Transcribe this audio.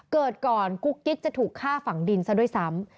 เกิดก่อนกุ๊กกิ๊กจะถูกฆ่าฝังดินซะด้วยซ้ำ